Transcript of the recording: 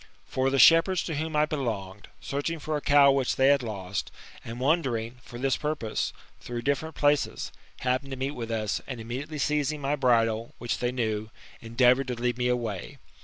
For the shepherds to whom I belonged, searching, for a cow which they had lost, and wandering for this purpose, through different places, happened to meet with us, and immediately seizing my bridle, which they knew, endeavoured to lead me away.